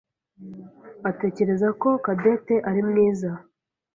atekereza ko Cadette ari mwiza.